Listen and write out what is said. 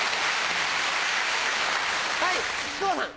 はい木久扇さん。